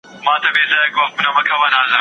واکسین ماشومان له فلج څخه ساتي.